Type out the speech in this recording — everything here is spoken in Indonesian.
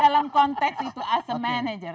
dalam konteks itu as a manager